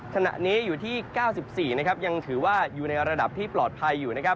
ขณะนี้อยู่ที่๙๔ยังถือว่าอยู่ในระดับที่ปลอดภัยอยู่นะครับ